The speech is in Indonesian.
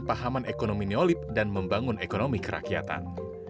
pemahaman ekonomi neolib dan membangun ekonomi kerakyatan